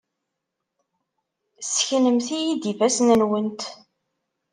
Sseknemt-iyi-d ifassen-nwent.